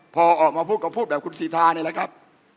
พอออกมาพูดก็พูดแบบคุณสีทานี่แหละครับ